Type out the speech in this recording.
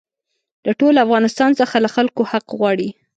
له ټول افغانستان څخه له خلکو حق غواړي.